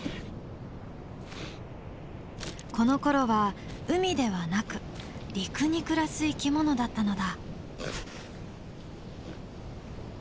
このころは海ではなく陸に暮らす生き物だったのだ。